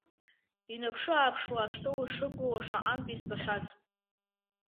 Инаԥшы-ааԥшуа астол ишықәгылоу шаҟантә избахьаз.